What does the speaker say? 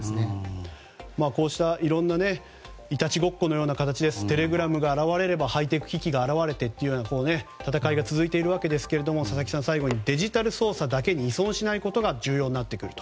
こうした、いろんないたちごっこのような形でテレグラムが現れればハイテク機器が現れてという戦いが続いているわけですが佐々木さん、最後にデジタル捜査だけに依存しないことが重要になってくると。